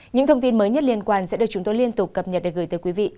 những thông tin mới nhất liên quan sẽ được chúng tôi liên tục cập nhật để gửi tới quý vị